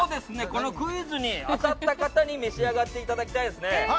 このクイズに当たった方に召し上がっていただきたいですね。